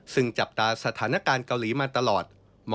ซึ่งจับตาสถานการณ์เกาหลีมาตลอด